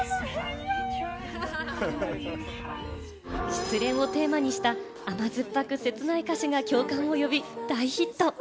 失恋をテーマにした甘酸っぱく切ない歌詞が共感を呼び、大ヒット！